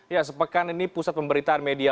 ya sepekan ini pusat pemberitaan media